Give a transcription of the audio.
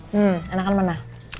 hmm enak kan mana